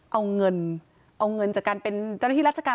เอาเงินเอาเงินจากการเป็นเจ้าหน้าที่ราชการ